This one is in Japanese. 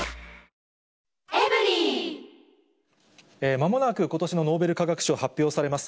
まもなく、ことしのノーベル化学賞、発表されます。